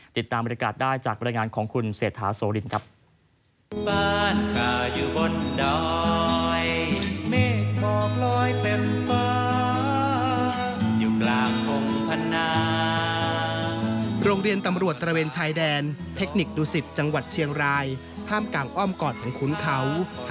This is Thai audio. ติดตามบริการได้จากบรรยายงานของคุณเศรษฐาโสรินครับ